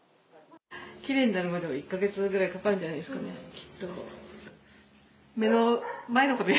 きれいになるまでは１か月ぐらいはかかるんじゃないですかね、きっと。